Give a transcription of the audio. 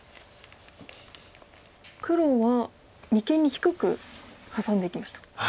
黒は二間に低くハサんでいきました。